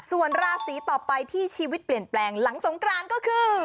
ส่วนราศีต่อไปที่ชีวิตเปลี่ยนแปลงหลังสงกรานก็คือ